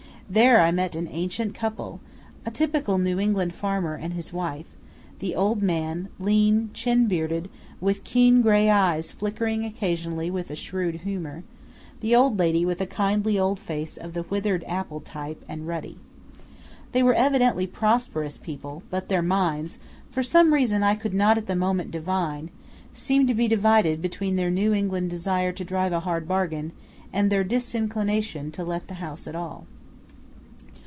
There I met an ancient couple, a typical New England farmer and his wife; the old man, lean, chin bearded, with keen gray eyes flickering occasionally with a shrewd humor, the old lady with a kindly old face of the withered apple type and ruddy. They were evidently prosperous people, but their minds for some reason I could not at the moment divine seemed to be divided between their New England desire to drive a hard bargain and their disinclination to let the house at all.